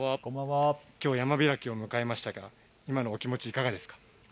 きょう山開きを迎えましたけれども今のお気持ち、いかがですか。